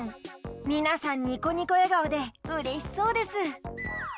みなさんニコニコえがおでうれしそうです。